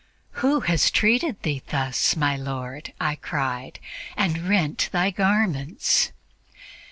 'Who has treated Thee thus, my Lord!' I cried, 'and rent Thy garments?'